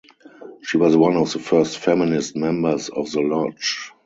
She was one of the first feminist members of the lodge.